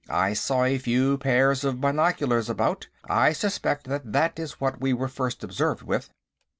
I saw a few pairs of binoculars about; I suspect that that is what we were first observed with."